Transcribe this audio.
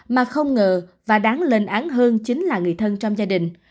mà không ngờ và đáng lên án hơn chính là người thân trong gia đình